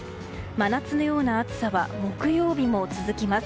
真夏のような暑さは木曜日まで続きます。